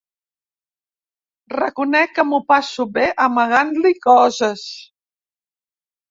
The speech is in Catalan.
Reconec que m'ho passo bé amagant-li coses.